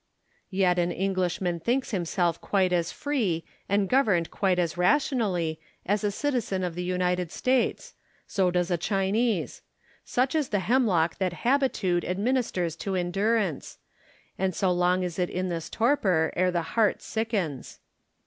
Yet an Englishman thinks himself quite as free, and governed quite as rationally, as a citizen of the United States : so does a Chinese. Such is the hemlock that habitude administers to endurance ; and so long is it in this torpor ere the heart sickens.